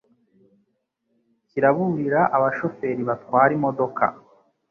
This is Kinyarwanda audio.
kiraburira abashoferi batwara imodoka